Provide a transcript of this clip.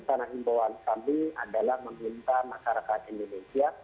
karena impor kami adalah meminta masyarakat indonesia